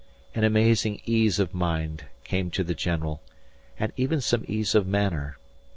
An amazing ease of mind came to the general and even some ease of manner.